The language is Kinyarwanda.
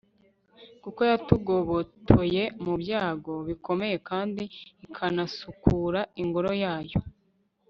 kuko yatugobotoye mu byago bikomeye kandi ikanasukura ingoro yayo